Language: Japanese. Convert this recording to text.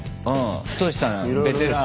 ふとしさんベテラン。